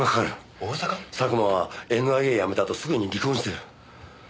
佐久間はＮＩＡ辞めたあとすぐに離婚してる。